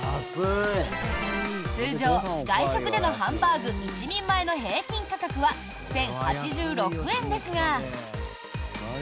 通常、外食でのハンバーグ１人前の平均価格は１０８６円ですが。